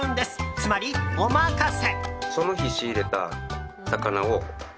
つまり、お任せ。